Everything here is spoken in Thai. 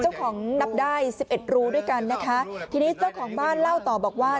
นับได้สิบเอ็ดรูด้วยกันนะคะทีนี้เจ้าของบ้านเล่าต่อบอกว่า